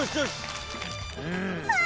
うわ！